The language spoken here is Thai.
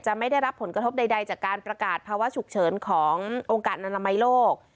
ไม่ได้รับผลกระทบใดจากการประกาศภาวะฉุกเฉินขององค์การอนามัยโลก